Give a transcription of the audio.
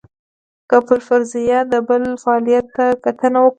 که پر فرضیه د بل فعالیت ته کتنه وکړو.